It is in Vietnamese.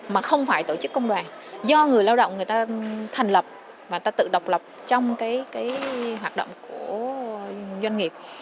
mà không phải tổ chức công đoàn do người lao động người ta thành lập và tự độc lập trong hoạt động của doanh nghiệp